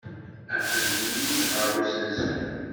Aql-iyi-n ɣer usensu.